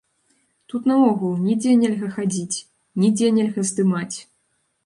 Тут наогул нідзе нельга хадзіць, нідзе нельга здымаць.